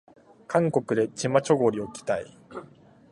韓国でチマチョゴリを着たい